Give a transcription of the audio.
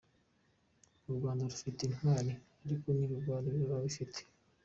U Rwanda rufite intwari ariko n’ibigwari rurabifite da!